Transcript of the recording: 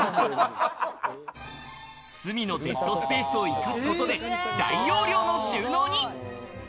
隅のデッドスペースを生かすことで大容量の収納に。